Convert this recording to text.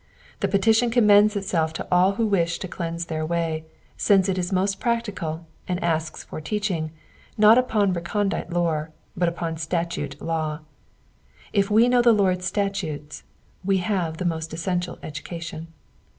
The petition commends itself to all who wish to cleanse their way, since it is most practical, and asks for teaching, not upon recondite lore, but upon statute law. If we know the Lord*s statutes we have the most essential education.